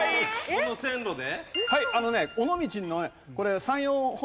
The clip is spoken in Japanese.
この線路で？